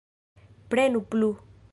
Prenu plu.